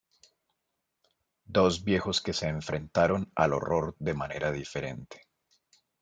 Dos viejos que se enfrentaron al horror de manera diferente.